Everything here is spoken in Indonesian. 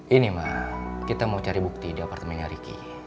ini mak kita mau cari bukti di apartemennya riki